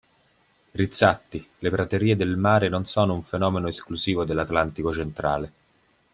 Rizzatti, le praterie del mare non sono un fenomeno esclusivo dell'Atlantico centrale.